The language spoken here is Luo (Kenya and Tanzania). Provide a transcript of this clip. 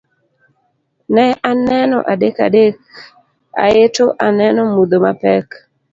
ne aneno adek adek ayeto aneno mudho mapek